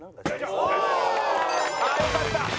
あよかった！